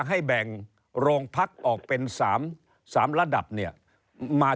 ตำแหน่งเขาเรียกว่า